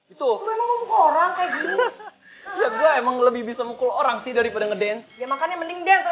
itu orang kayak gitu emang lebih bisa mukul orang sih daripada ngedance